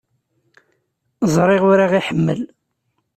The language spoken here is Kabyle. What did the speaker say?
Ẓriɣ ur aɣ-iḥemmel.